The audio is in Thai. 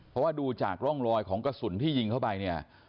เพราะว่าดูจากร่องรอยของกระสุนที่ยิงเข้าไปเนี่ย